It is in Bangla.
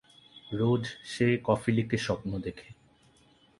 রোজ সে কফিলিকে স্বপ্ন দেখে।